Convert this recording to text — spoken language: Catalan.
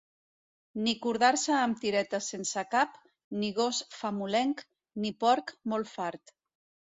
Ni cordar-se amb tiretes sense cap, ni gos famolenc, ni porc molt fart.